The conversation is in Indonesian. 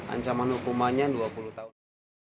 ancaman hukumannya dua puluh tahun